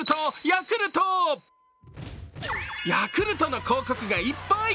ヤクルトの広告がいっぱい。